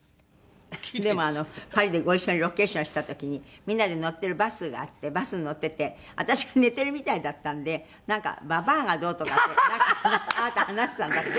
「でもパリでご一緒にロケーションした時にみんなで乗ってるバスがあってバスに乗ってて私が寝てるみたいだったんでなんか“ババアがどうとか”ってあなた話したんだって？」